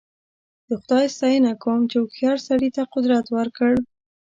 د خدای ستاینه کوم چې هوښیار سړي ته قدرت ورکړ.